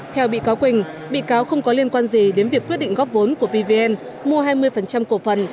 theo bị cáo quỳnh bị cáo không có liên quan gì đến việc quyết định góp vốn của pvn mua hai mươi cổ phần